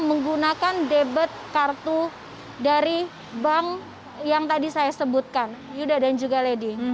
menggunakan debit kartu dari bank yang tadi saya sebutkan yuda dan juga lady